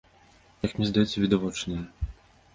Як мне здаецца, відавочная.